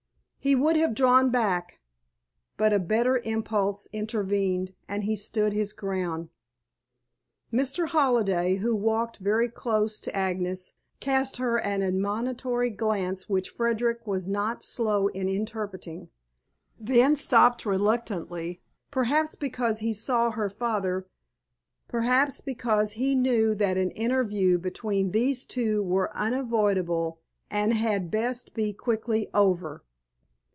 He would have drawn back, but a better impulse intervened and he stood his ground. Mr. Halliday, who walked very close to Agnes, cast her an admonitory glance which Frederick was not slow in interpreting, then stopped reluctantly, perhaps because he saw her falter, perhaps because he knew that an interview between these two was unavoidable and had best be quickly over.